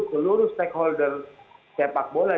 seluruh stakeholder sepak bola